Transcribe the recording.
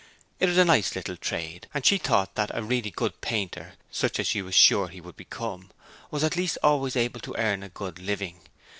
It was a nice light trade, and she thought that a really good painter, such as she was sure he would become, was at least always able to earn a good living.